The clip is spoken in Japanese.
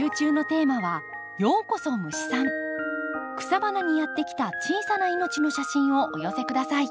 草花にやって来た小さな命の写真をお寄せ下さい。